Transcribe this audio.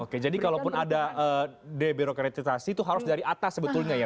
oke jadi kalau pun ada debirokreditasi itu harus dari atas sebetulnya ya